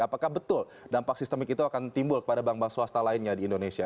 apakah betul dampak sistemik itu akan timbul kepada bank bank swasta lainnya di indonesia